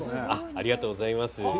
ありがとうございます。